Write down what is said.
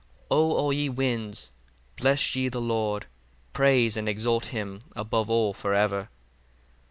43 O all ye winds, bless ye the Lord: praise and exalt him above all for ever.